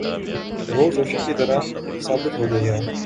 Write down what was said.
‘ روز روشن کی طرح ثابت ہو گئی ہے۔